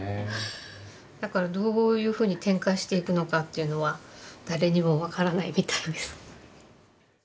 だからどういうふうに展開していくのかっていうのは誰にも分からないみたいです。